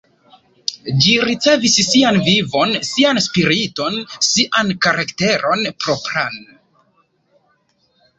Ĝi ricevis sian vivon, sian spiriton, sian karakteron propran.